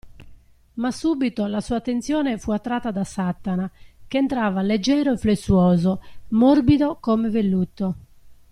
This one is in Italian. Ma subito la sua attenzione fu attratta da Satana, che entrava leggero e flessuoso, morbido come velluto.